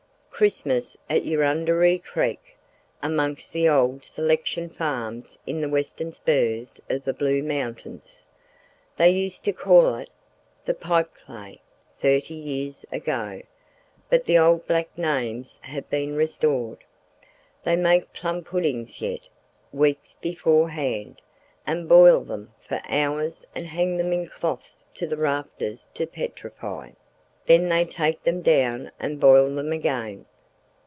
Christmas at Eurunderee Creek, amongst the old selection farms in the western spurs of the Blue Mountains. They used to call it "Th' Pipeclay" thirty years ago, but the old black names have been restored. They make plum puddings yet, weeks beforehand, and boil them for hours and hang them in cloths to the rafters to petrify; then they take them down and boil them again.